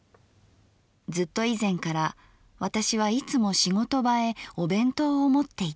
ずっと以前から私はいつも仕事場へお弁当を持っていった」。